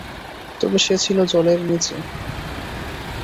তবে সে ছিল জলের নিচে।